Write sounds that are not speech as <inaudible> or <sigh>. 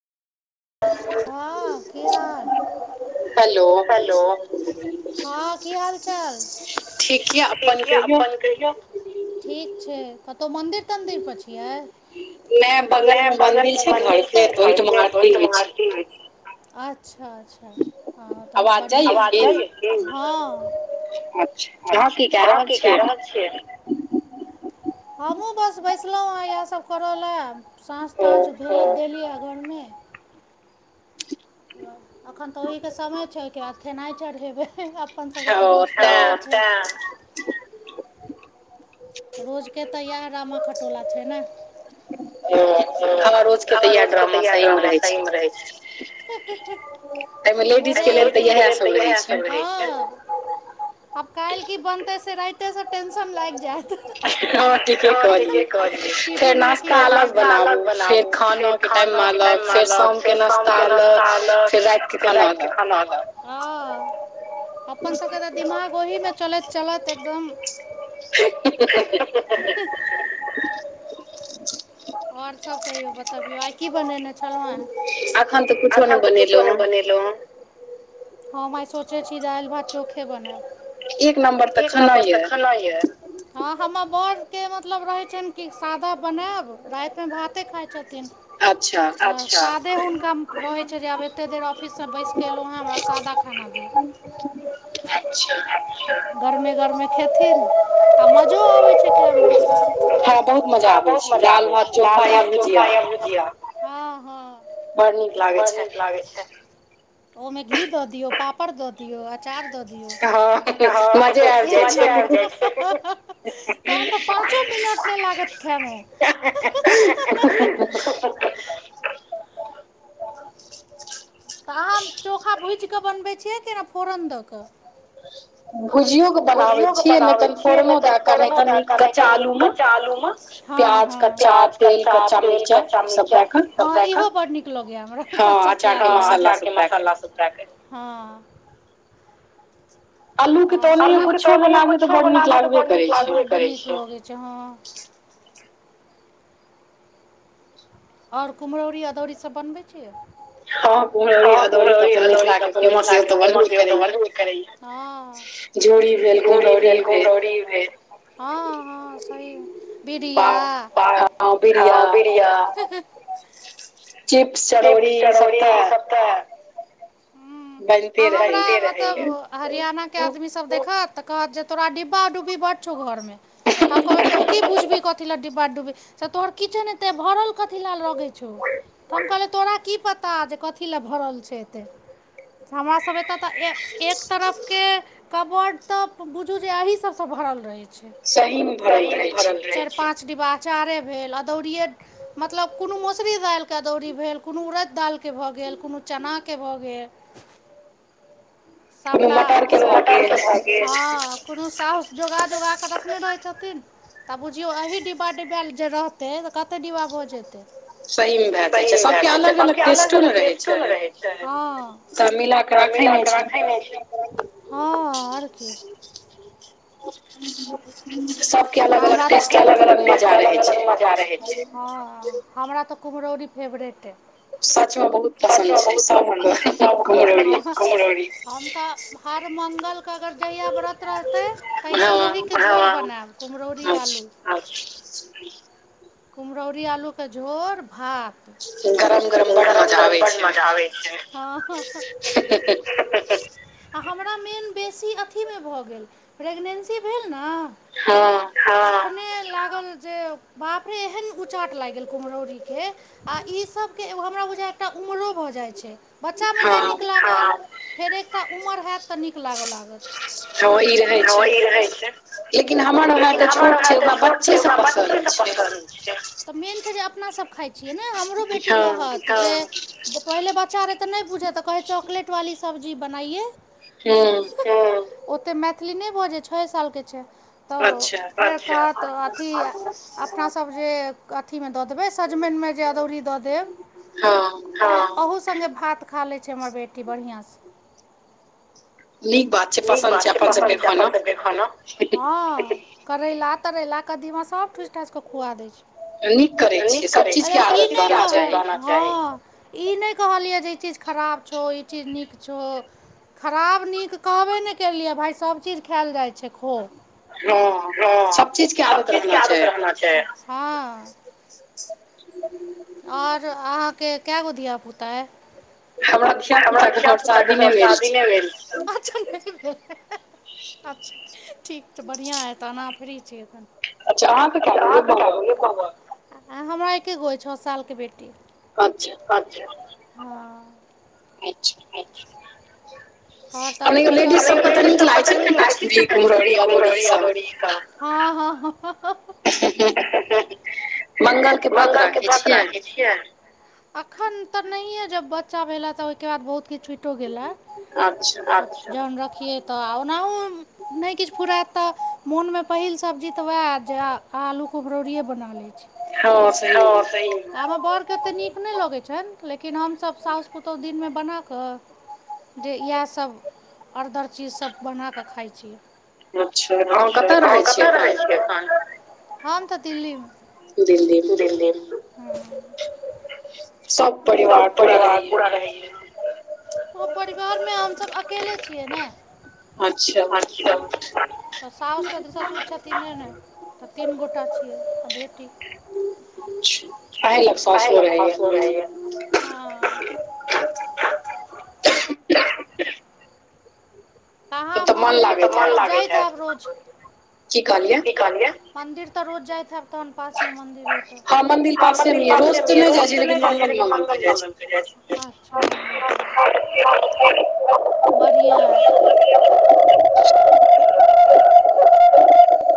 <unintelligible> हँ की हाल? हेलो हँं की हाल चाल? ठीक य अपन कहियौ? ठीक छैय, कतहु मन्दिर तन्दिर पर छियै? नहि पगलमे बनबै छैय घर के त ओही ठाम अच्छा अच्छा हँ तहन तऽ बढ़िआँ आवाज जाय या कि हँ। अचछा, अहां की क रहल छियै? हमहूँ बस बैसलहुँ हेँ इएहसभ करय लए साँस ताँच देलीयै घरमे। एखन तऽ ओहिके समय छैय ओहिके बाद खेनाइ चढ़ेबै। अपन सबके तऽ रोजगार ओ तै। रोजके तऽ इएह रामा खटोला छैय ने। ओ आ रोजके तै याह ड्रोामा सही मे रहै छै हह ह भोरे लेडीज कें लेल इएहा सभ रहै छै आब काल् की बनते से राते से टेंशन लाग जायत ह ह हँ ठीके कहलिय नास्ता अलग बनाबू फेर खानो के टाइम अलग फेर साम के नास्ता अलग पेर रात के खाना अलग हँ अपन सब के दिमाग ओहि मे चलैत चलत एकदम ह् ह ह और सब कहियो बतबियो आइ की बनेने छलहु हन एखन तऽ अखन तऽ कुछो नहि बनेलहुँ हन हम आइ सोचै छी दालि भात चोखे बनायब एक नम्बर तऽ खनाा यऽ हँ हमर बड़के मतलब रहैत छनि कि सादा बनायब रातिमे भाते खाइत छथिन अच्छा कम रहै छै जे आब एते देर ऑफिससँ बैसिकऽ एलहुँ हँ हमरा सादा खाना दिअ अच्छा गरमे गरमे खेथिन आ मजो आबै छै खायमे बहुत मजा आबे छै दाल भात चोखा या भुजिया बड्ड नीक बड़ नीक लाग छै ओमे घी द दियौ पापड़ द दियऔ दियऔ अचार दऽ दियौ तहन तऽ पाँचो मिनट नहि लागत खायमे बच तऽ आम चोखा भुजि कऽ बनबै छियै कि नहि फोरन दऽ कऽ <inaudible> भुजियो के बनाबै छिय नहि तन फोरनो दा क नहि त कचा आलूमे हँ हँ प्याज कच्चा तेल कच्चा मिर्चा हाँ इहो बद नीक लागय है हमरा कच्चा प्याज हा अचार के मसला सब दय के हँ और सब आलू के तऽ ओनाहियो कुछो बनाबियो त बद नीक लागबे करइ छैय बद नीक लगई छैय हाँ आओर कुमहरौरी अदौरी सभ बनबै छियै हँ कुमहरौरी हदौरी त अपन मिथिलाक के फेमस यऽ बनबे करैया दौड़ी भेल कुमहरौरी भेल हँ हँ सही बिड़िया हाँ बिड़िया ह चिप्स चरौरी ई सब तऽ तऽ हुँ आ हमरा मतलब हरियाणा के आदमी सब देखत तऽ कहत जे तोरा डिबा डुबी बढ़ छौ घरमे त हम कहबै तु की बुझबि क कथि लाय डिब्बा डब्बी से तोहर किचन एते भरल कथी ल लगे छौ कहलियै तोरा की पता जे कथी लेल भरल छै एते हमरा सब एतऽ तऽ ए एक तरफ के कबड तऽ बुझू जे एह सबसँ भरल रहै छै सही मे भरल रहय छै चार पांच डिब्बा अचारे भेल अदैरीए भेल मतलब कोनो मुसरी दाल क कदौड़ी भेल कोनो उड़ैत दालिके भऽ गेल कोनो चनाके भऽ गेल सबटा कोनो मटर के भ गेल हाँ कोनो सास जोगा जोगा क रखने रहै छथिन तऽ बुझियौ एही डिब्बा ड जे रहतै तऽ कतेक डिब्बा भऽ जेतै सहीमे सही मे भए जाइ छै सब के अलग अलग टेस्टो ने रहै छै त मिला क राखै नहि छै हँ आओर की सबके अलग अलग टेस्ट अलग अलग मजा रहै छै हमरा तऽ कुम्हरौरी फेवरेट अइ सच म बहुत पसन्द छै सब क कुमहरौरी हम तऽ हर मंगल के अगर जहिया व्रत रहतै तहिया बन‌एब कुम्हरौरी आलू कुम्हरौरी आलू के झोर भात गरम गरम बड मजा आबै छै <unintelligible> आ हमरा मेन बेसी अथीमे भऽ गेल प्रेगनेन्सी भेल ने हँ ह खने लागल जे बाप रे एहन उचाट लागि गेल कुम्हरौरी के आ ईसभके हमरा बुझाए एकटा उमरो भऽ जाइ छै बच्चा मे नहि नीक लागल फेर एकटा उमर होयत तऽ नीक लागऽ लागत हँ ई रहै छै लेकिन हमर भाय तऽ छोट छै ओकरा बच्चे से पसन्द छै तऽ मेन छै जे अपनासभ खाइ छियै ने हमरो बेटी कहत जे पहिले बच्चा रहे तऽ नहि बुझैय त कहै चॉकलेट वाली सब्जी बनाइए हँ ओते मैथिली नहि बाजै छ ए सालके छै तऽ ओ कहत अथी अपना तब जे अथी मे दऽ देवइ सजमन मे जे अदौरी दऽ देब अहु संगे भात खा लै छै हमर बेटी बढ़िआँसँ नीक बात छै पसन्द छै अपन सब के खाना हँ करैला तरैला कदीमा सब ठूस ठाँस के खुआ दै छि नीक करे छियै हँ ई नहि कहलियै जे ई चीज खराब छौ ई चीज नीक छौ खराब नीक कहबे नहि केलियै भाय सभचीज खायल जाइ छै खो हँ सब चीजके आदत रहना चाही आओर अहाँ केँ क‌एगो धिया पुता अय हमरा धिया पुता हमर शादी नहि भेल छै अच्छा ठीक त बढ़िया हय अहाँ तहन फ्री छी आ हमरा एके गो छ साल के बेटी अच्छा आ लेडीज सब के त नीक लागे छै ने क कुम्हरौरी अदौरी ई सब हँ हँ मंगल केँ व्रत राखे छियै अखन तऽ नहि ये जब बच्चा भेले तऽ ओहिके बाद बहुत किछु छुटि गेला जहन रखियै तऽ ओनाहु हम नहि किछ फुरात तऽ मोन मे पहिल सब्जी तऽ वए जे आलू कुम्हरौड़िये बना ले हँ तऽ आब बड़के तऽ नीक नहि लगै छनि लेकिन हमसभ साउस पुतहु दिनमे बनाकऽ जे इएहसभ अर दर चीजसभ बना कऽ खाइत छियै अच्छा अहाँ कतऽ रहै छियै एखन हम तँ दिल्ली मे सब परिवार पूरा रहै य‌ए ओ परिवार मे हम सब अकेले छियै ने अच्छा अच्छा सास छथिन ससुर छथिन तीन न तीन गोटा छियै आ बेटी अही के साउसो रहैया हँ अहाँ तऽ मन्दिर जाइत हायब रोज की कहलियै की कहलिए मन्दिर तऽ रोज जाइत हब तहन पास मन्दिर पासे मे रोज तऽ नहि जाइ लेकिन मंगल मंगल के जाइ छी अच्छा मंगल के बढ़िया या ह <unintelligible>